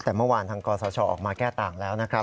แต่เมื่อวานทางกศชออกมาแก้ต่างแล้วนะครับ